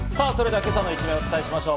今朝の一面をお伝えしましょう。